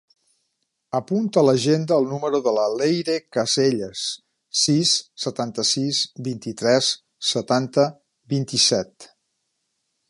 Apunta a l'agenda el número de la Leyre Caselles: sis, setanta-sis, vint-i-tres, setanta, vint-i-set.